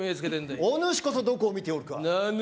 おーうお主こそどこを見ておるかなぬ？